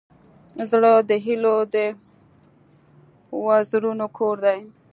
زړه د هيلو د وزرونو کور دی.